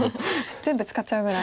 全部使っちゃうぐらい。